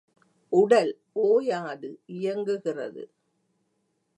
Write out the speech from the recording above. உடல் ஓயாது இயங்குகிறது.